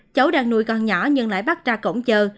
cháu đang nuôi con nhỏ nhưng lại bắt ra cổng chờ